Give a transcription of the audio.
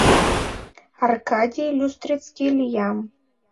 Аркадий Люстрицкий лиям.